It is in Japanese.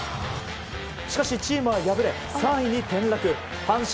しかしチームは破れ３位に転落。